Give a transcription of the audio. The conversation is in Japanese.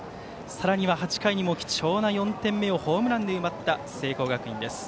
さらには８回にも貴重な４点目をホームランで奪った聖光学院です。